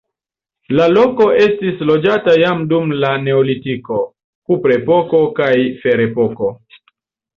La loko estis loĝata jam dum la neolitiko, kuprepoko kaj ferepoko.